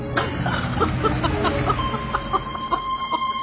ハハハハ！